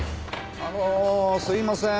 あのすみません。